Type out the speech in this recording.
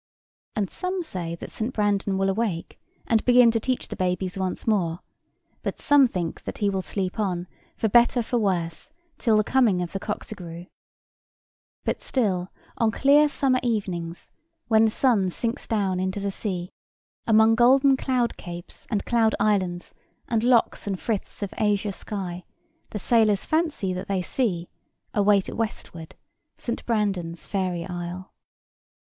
And some say that St. Brandan will awake and begin to teach the babies once more: but some think that he will sleep on, for better for worse, till the coming of the Cocqcigrues. But, on still clear summer evenings, when the sun sinks down into the sea, among golden cloud capes and cloud islands, and locks and friths of azure sky, the sailors fancy that they see, away to westward, St. Brandan's fairy isle.